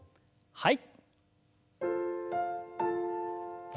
はい。